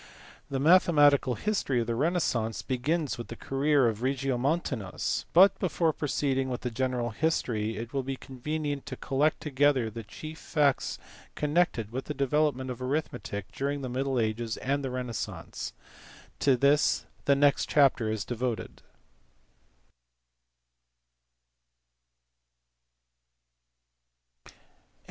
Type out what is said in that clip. The mathe matical history of the renaissance begins with the career of Regiomontanus ; but before proceeding with the general history it will be convenient to collect together the chief facts con nected with the development of arithmetic during the middle ages and the renaissance. To this the next chapter is devoted.